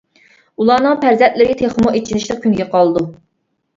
ئۇلارنىڭ پەرزەنتلىرى تېخىمۇ ئېچىنىشلىق كۈنگە قالىدۇ.